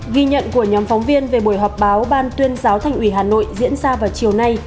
ghi nhận của nhóm phóng viên về buổi họp báo ban tuyên giáo thành ủy hà nội diễn ra vào chiều nay